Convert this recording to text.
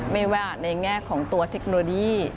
ไม่ว่าในแง่ของตัวเทคโนโลยี